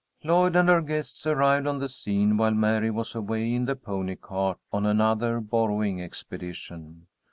Lloyd and her guests arrived on the scene while Mary was away in the pony cart on another borrowing expedition.